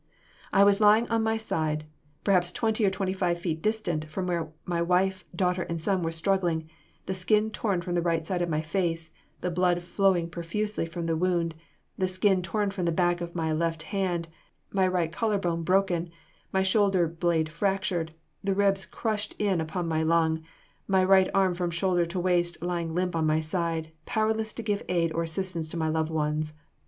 I was lying on my side, perhaps twenty or twenty five feet distant from where my wife, daughter and son were struggling, the skin torn from the right side of my face, the blood flowing profusely from the wound, the skin torn from the back of my left hand, my right collar bone broken, my shoulder blade fractured, the ribs crushed in upon my lung, my right arm from shoulder to wrist lying limp on my side, powerless to give aid or assistance to my loved ones.